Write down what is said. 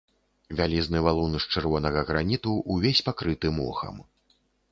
Вялізны валун з чырвонага граніту ўвесь пакрыты мохам.